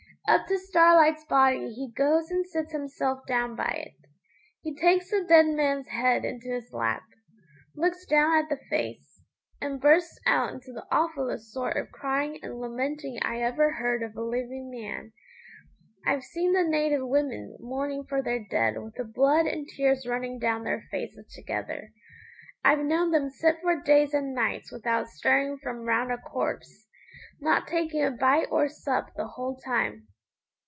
Up to Starlight's body he goes and sits himself down by it. He takes the dead man's head into his lap, looks down at the face, and bursts out into the awfullest sort of crying and lamenting I ever heard of a living man. I've seen the native women mourning for their dead with the blood and tears running down their faces together. I've known them sit for days and nights without stirring from round a corpse, not taking a bite or sup the whole time.